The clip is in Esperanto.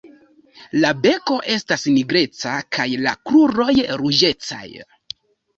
La beko estas nigreca kaj la kruroj ruĝecaj.